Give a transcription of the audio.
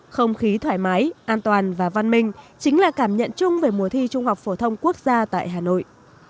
không khí thoải mái an toàn và văn minh chính là cảm nhận chung về mùa thi trung học phổ thông quốc gia tại hà nội